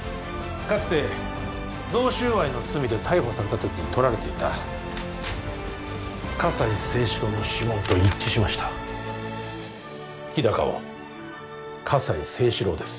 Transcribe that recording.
かつて贈収賄の罪で逮捕された時にとられていた葛西征四郎の指紋と一致しました日高は葛西征四郎です